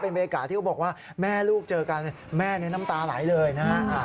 บรรยากาศที่เขาบอกว่าแม่ลูกเจอกันแม่นี่น้ำตาไหลเลยนะฮะ